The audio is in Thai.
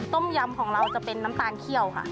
ต้มยำของเราจะเป็นน้ำตาลเขี้ยวค่ะ